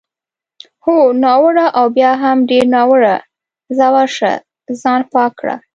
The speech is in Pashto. هو، ناوړه او بیا هم ډېر ناوړه، ځه ورشه ځان پاک کړه.